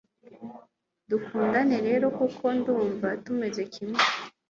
dukundana rero. kuko ndumva tumeze kimwe